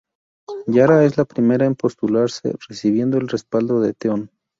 Yara es la primera en postularse, recibiendo el respaldo de Theon.